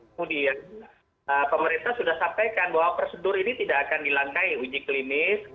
kemudian pemerintah sudah sampaikan bahwa prosedur ini tidak akan dilangkai uji klinis